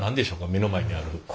目の前にある。